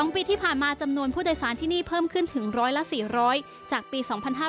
ปีที่ผ่านมาจำนวนผู้โดยสารที่นี่เพิ่มขึ้นถึง๑๔๐๐จากปี๒๕๕๙